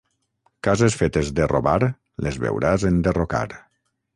Cases fetes de robar les veuràs enderrocar.